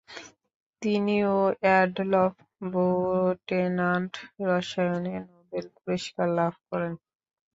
তিনি ও Adolf Butenandt রসায়নে নোবেল পুরস্কার লাভ করেন।